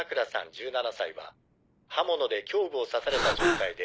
１７歳は刃物で胸部を刺された状態で。